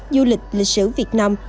du lịch lịch sử việt nam